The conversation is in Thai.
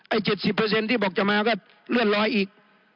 ๗๐ที่บอกจะมาก็เลื่อนลอยอีก